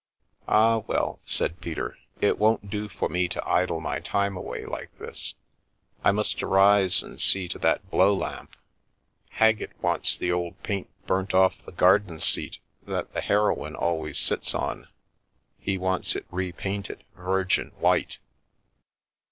" Ah, well," said Peter, " it won't do for me to idle my time away like this. I must arise and see to that blow lamp. Haggett wants the old paint burnt off the garden seat that the heroine always sits on. He wants it re painted virgin white."